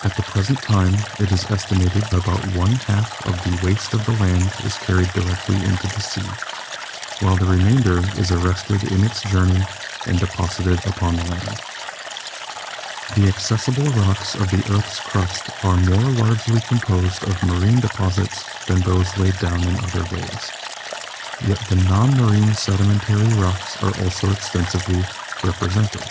At the present time it is estimated about one half of the waste of the land is carried directly into the sea, while the remainder is arrested in its journey and de posited upon the land. The accessible rocks of the earth's crust are more largely composed of marine deposits than those laid down in other ways, yet the non marine sedi mentary rocks are also extensively represented.